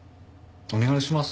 お願いします。